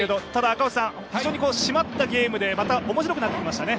赤星さん、非常にしまったゲームで面白くなってきましたね。